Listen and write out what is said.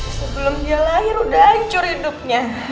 sebelum dia lahir udah hancur hidupnya